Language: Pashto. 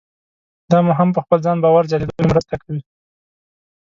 دا مو هم په خپل ځان باور زیاتېدو کې مرسته کوي.